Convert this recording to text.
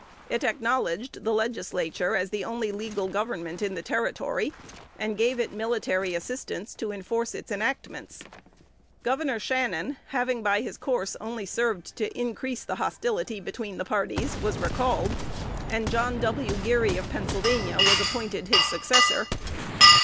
It acknowledged the Legislature as the only legal government in the Territory, and gave it military assistance to enforce its enactments. Gov. Shannon, having by his course only served to increase the hostility between the parties, was recalled, and John W. Geary of Pennsylvania was appointed his successor.